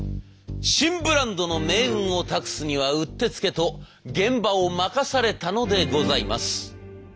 新ブランドの命運を託すにはうってつけと現場を任されたのでございます。